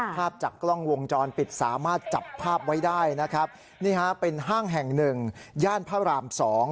ภาพจากกล้องวงจรปิดสามารถจับภาพไว้ได้นะครับนี่ฮะเป็นห้างแห่งหนึ่งย่านพระราม๒